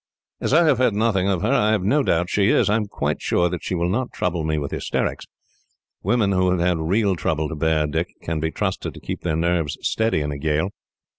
"As I have heard nothing of her, I have no doubt she is. I am quite sure that she will not trouble me with hysterics. Women who have had real trouble to bear, Dick, can be trusted to keep their nerves steady in a gale."